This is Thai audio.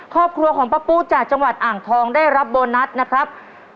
ครอบครัวของป้าปูจากจังหวัดอ่างทองได้รับโบนัสนะครับ